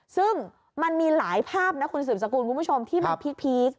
ซึ่งมันมีหลายภาพนะคุณสืบสกุลคุณผู้ชมที่มันพีค